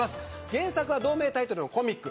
原作は同名タイトルのコミック。